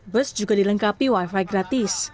bus juga dilengkapi wifi gratis